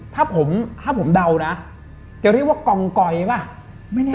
ถ้าผมเดานะเขาเรียกว่ากองกอยใช่ไหม